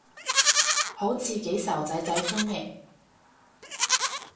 好似幾受囝仔歡迎